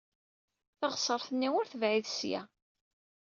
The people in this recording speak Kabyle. Taɣsert-nni ur tebɛid seg-a.